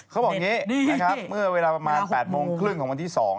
เขาบอกอย่างนี้นะครับเมื่อเวลาประมาณ๘โมงครึ่งของวันที่๒